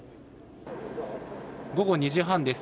午後２時半です。